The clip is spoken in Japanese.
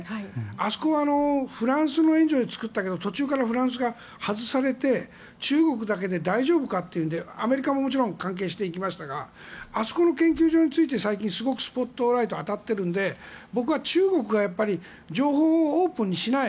あそこフランスの援助で作ったけど途中からフランスが外されて中国だけで大丈夫かという意味でアメリカももちろん関係していきましたがあそこの研究所に最近スポットが当たっているので中国がやっぱり情報をオープンにしない。